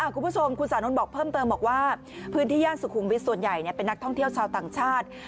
คุณผู้ชมคุณสานนท์บอกเพิ่มเติมบอกว่าพื้นที่ย่านสุขุมวิทย์ส่วนใหญ่เป็นนักท่องเที่ยวชาวต่างชาติ